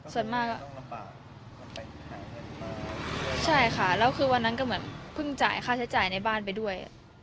ส่วนมากก็ลำบากใช่ค่ะแล้วคือวันนั้นก็เหมือนเพิ่งจ่ายค่าใช้จ่ายในบ้านไปด้วย